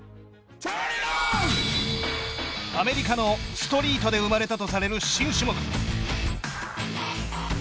アメリカのストリートで生まれたとされる新種目。